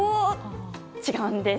違うんです。